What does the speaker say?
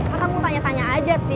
satu satunya tanya tanya aja